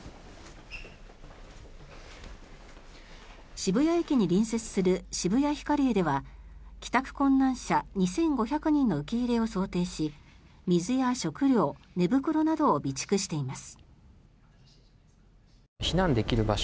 渋谷駅に隣接する渋谷ヒカリエでは帰宅困難者２５００人の受け入れを想定し水や食料、寝袋などを備蓄しています。